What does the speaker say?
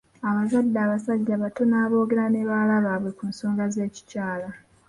Abazadde abasajja batono aboogera ne bawala baabwe ku nsonga z'ekikyala.